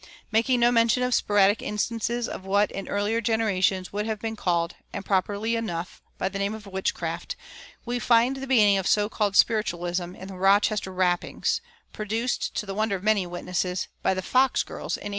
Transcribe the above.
Making no mention of sporadic instances of what in earlier generations would have been called (and properly enough) by the name of witchcraft, we find the beginning of so called "spiritualism" in the "Rochester rappings," produced, to the wonder of many witnesses, by "the Fox girls" in 1849.